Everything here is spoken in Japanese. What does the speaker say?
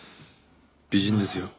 美人ですよ。